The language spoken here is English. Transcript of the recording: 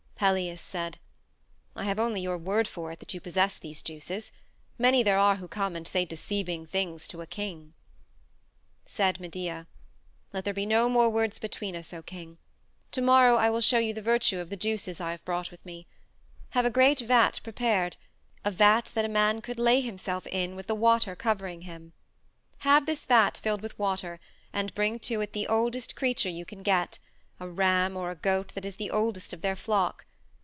Pelias said: "I have only your word for it that you possess these juices. Many there are who come and say deceiving things to a king." Said Medea: "Let there be no more words between us, O king. To morrow I will show you the virtue of the juices I have brought with me. Have a great vat prepared a vat that a man could lay himself in with the water covering him. Have this vat filled with water, and bring to it the oldest creature you can get a ram or a goat that is the oldest of their flock.